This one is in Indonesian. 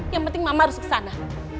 yang penting mama harus ke sana